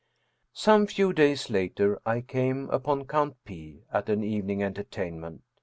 Some few days later I came upon Count P. at an evening entertainment.